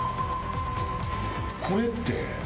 これって。